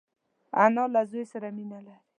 انا له زوی سره مینه لري